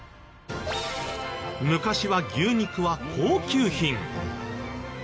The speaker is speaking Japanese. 昔は牛肉は高級品。